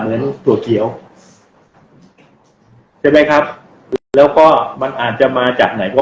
ถั่วเขียวใช่ไหมครับแล้วก็มันอาจจะมาจากไหนก็